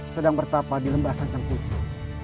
sedang bertapa di lembah santang kucu